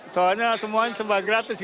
soalnya semuanya sembah gratis